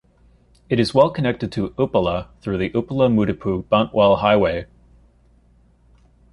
It is well connected to Uppala through Uppala-Mudipu-Bantwal Highway.